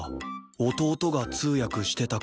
弟が通訳してたからな。